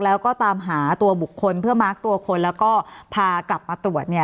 แล้วก็ตามหาตัวบุคคลเพื่อมาร์คตัวคนแล้วก็พากลับมาตรวจเนี่ย